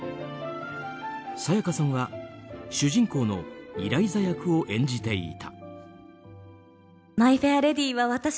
沙也加さんは、主人公のイライザ役を演じていた。